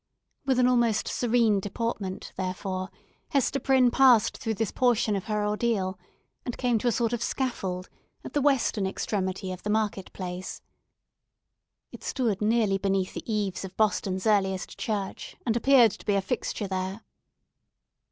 With almost a serene deportment, therefore, Hester Prynne passed through this portion of her ordeal, and came to a sort of scaffold, at the western extremity of the market place. It stood nearly beneath the eaves of Boston's earliest church, and appeared to be a fixture there.